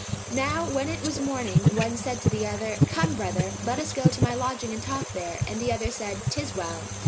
Now when it was morning, one said to the other, "Come, brother, let us go to my lodging and talk there;" and the other said, "'Tis well."